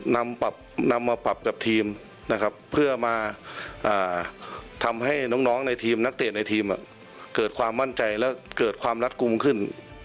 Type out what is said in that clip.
นำมาปรับกับทีมนะครับเพื่อมาทำให้น้องในทีมนักเตะในทีมเกิดความมั่นใจและเกิดความรัดกลุ่มขึ้น